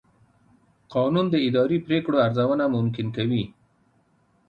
قانون د اداري پرېکړو ارزونه ممکن کوي.